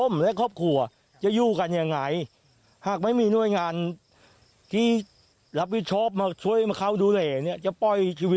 ไม่เห็นมีใครมาดูเลย